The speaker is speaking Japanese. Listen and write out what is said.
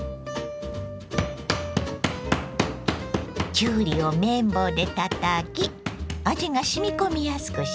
きゅうりを麺棒でたたき味がしみこみやすくします。